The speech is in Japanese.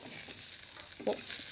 おっ。